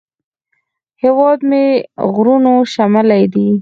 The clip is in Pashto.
هیواد مې د غرونو شملې دي